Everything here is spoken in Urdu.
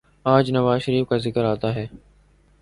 آج نواز شریف کا ذکر آتا ہے۔